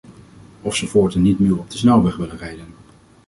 Of ze voortaan niet meer op de snelweg willen rijden.